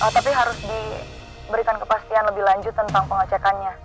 tapi harus diberikan kepastian lebih lanjut tentang pengecekannya